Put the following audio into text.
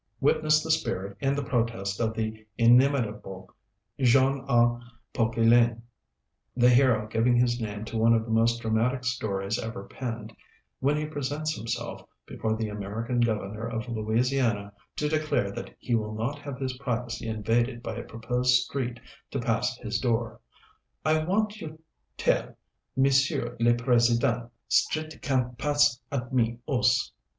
Witness this spirit in the protest of the inimitable Jean ah Poquelin the hero giving his name to one of the most dramatic stories ever penned when he presents himself before the American governor of Louisiana to declare that he will not have his privacy invaded by a proposed street to pass his door: "I want you tell Monsieur le President, strit can't pass at me 'ouse."